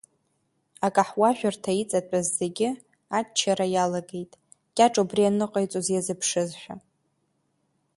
Акаҳуажәырҭа иҵатәаз зегьы аччара иалагеит, Кьаҿ убри аныҟаиҵоз иазыԥшызшәа.